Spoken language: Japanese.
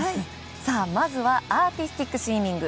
まずはアーティスティックスイミング。